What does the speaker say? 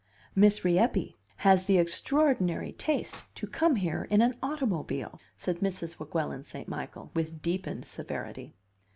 "Miss Rieppe has the extraordinary taste to come here in an automobile," said Mrs. Weguelin St. Michael, with deepened severity.